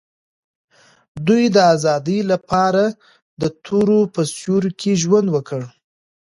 دوی د آزادۍ لپاره د تورو په سیوري کې ژوند وکړ.